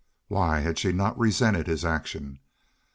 Why had she not resented his action?